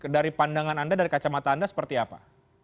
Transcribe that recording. dari pandangan anda dari kacamata anda seperti apa